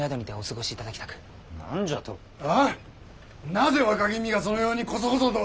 なぜ若君がそのようにこそこそと！